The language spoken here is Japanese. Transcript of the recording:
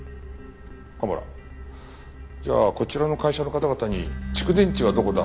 蒲原じゃあこちらの会社の方々に蓄電池はどこだ？